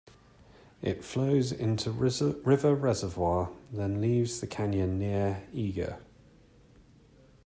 It flows into River Reservoir, then leaves the canyon near Eagar.